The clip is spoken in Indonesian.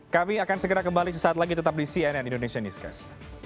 kami akan segera kembali sesaat lagi tetap di cnn indonesian news guys